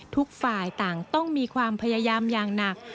ทุกฝ่ายต่างต้องมีความพยายามอย่างหนัก